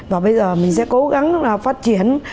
và bây giờ mình sẽ cố gắng phát triển